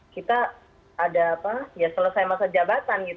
kita ada apa ya selesai masa jabatan